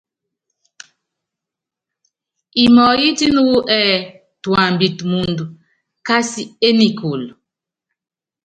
Imɔyítíni wú ɛɛ tuambitɛ mɔɔnd kási énikúlu.